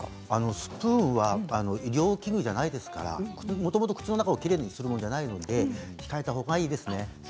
スプーンは医療器具ではないですからもともと口の中をきれいにするものではないので控えたほうがいいですね。